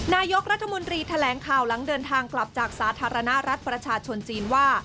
นายกรัฐมนตรีแถลงข่าวหลังเดินทางกลับจากสาธารณรัฐประชาชนจีนว่า